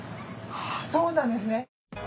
そうなんですね。